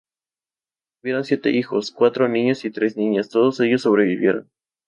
Tuvieron siete hijos, cuatro niños y tres niñas, todos ellos sobrevivieron.